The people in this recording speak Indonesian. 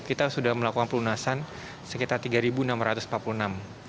kita sudah melakukan pelunasan sekitar tiga sembilan ratus sembilan puluh delapan orang